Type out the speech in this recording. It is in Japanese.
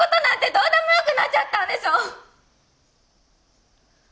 どうでもよくなっちゃったんでしょ